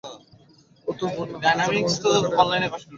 ও যে ভোর না হতেই জটাইবুড়ির সিঁদুরের কৌটো থেকে রঙ চুরি করেছে।